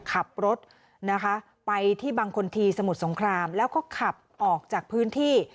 ขับรถนะคะไปที่บางคนทีสมุทรสงครามแล้วก็ขับออกจากพื้นที่